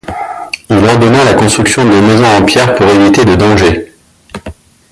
Il ordonna la construction de maisons en pierre pour éviter de danger.